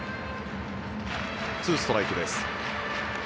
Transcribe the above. ２ストライクです。